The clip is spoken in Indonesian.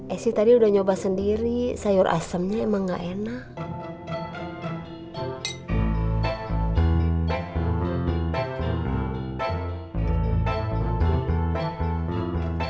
eh sih tadi udah nyoba sendiri sayur asamnya emang gak enak